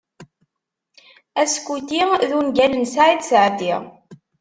"Askuti" d ungal n Saɛid Seɛdi.